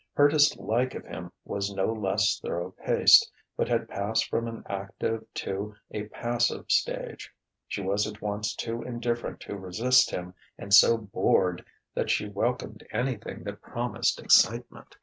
Her dislike of him was no less thorough paced, but had passed from an active to a passive stage; she was at once too indifferent to resist him and so bored that she welcomed anything that promised excitement.